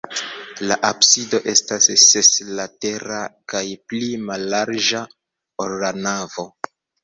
La absido estas seslatera kaj pli mallarĝa, ol la navo.